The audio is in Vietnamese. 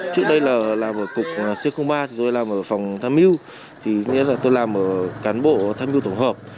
trước đây là làm ở cục c ba rồi làm ở phòng tham mưu thì nghĩa là tôi làm ở cán bộ tham mưu tổng hợp